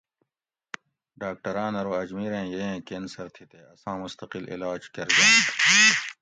ڈاکٹراۤن ارو اجمیریں یییں کینسر تھی تے اساں مستقل علاج کۤرجنت